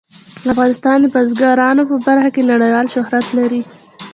افغانستان د بزګان په برخه کې نړیوال شهرت لري.